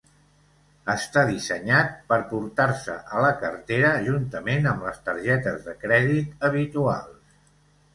Està dissenyat per portar-se a la cartera juntament amb les targetes de crèdit habituals.